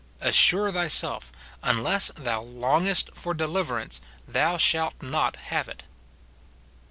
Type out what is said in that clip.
Assure thyself, unless thou longest for deliverance thou shalt not have it.